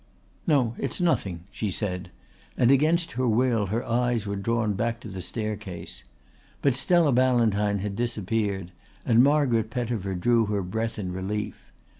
"No, it's nothing," she said and against her will her eyes were drawn back to the staircase. But Stella Ballantyne had disappeared and Margaret Pettifer drew her breath in relief.